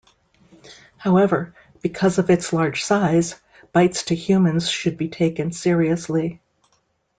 However, because of its large size, bites to humans should be taken seriously.